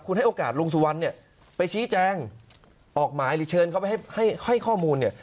คุณให้โอกาสลงสุวรรณไปชี้แจ้งออกหมายหรือเชิญเขาไปให้ข้อมูล